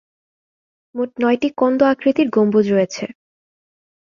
মোট নয়টি কন্দ আকৃতির গম্বুজ রয়েছে।